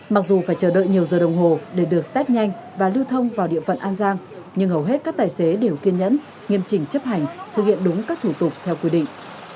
mặc dù phải chờ đợi nhiều giờ đồng hồ để được test nhanh và lưu thông vào địa phận an giang nhưng hầu hết các tài xế đều kiên nhẫn nghiêm chỉnh chấp hành thực hiện đúng các thủ tục theo quy định